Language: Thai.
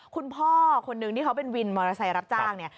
คุณพ่อคนนึงที่เขาเป็นวินมอเตอร์ไซค์รับจ้างเนี่ย